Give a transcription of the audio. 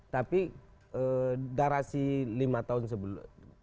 tapi narasi lima tahun sebelum